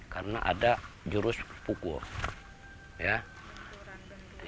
karena ada jurus pukul